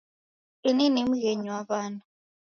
Ini ni mghenyi wa w'ana.